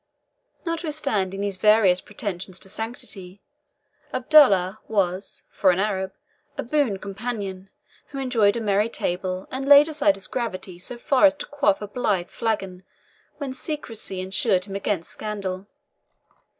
Notwithstanding these various pretensions to sanctity, Abdallah was (for an Arab) a boon companion, who enjoyed a merry tale, and laid aside his gravity so far as to quaff a blithe flagon when secrecy ensured him against scandal.